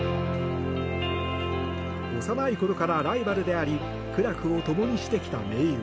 幼いころからライバルであり苦楽を共にしてきた盟友。